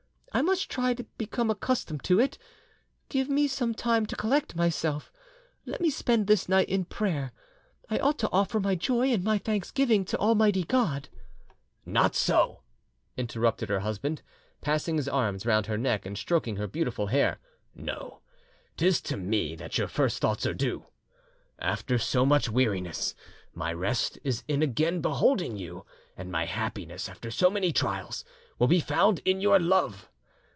I must try to become accustomed to it; give me some time to collect myself; let me spend this night in prayer. I ought to offer my joy and my thanksgiving to Almighty God—" "Not so," interrupted her husband, passing his arms round her neck and stroking her beautiful hair. "No; 'tis to me that your first thoughts are due. After so much weariness, my rest is in again beholding you, and my happiness after so many trials will be found in your love.